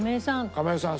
亀井さん